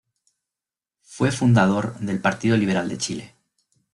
Fue fundador del Partido Liberal de Chile.